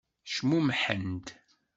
Cmumḥent.